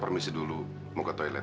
permisi dulu mau ke toilet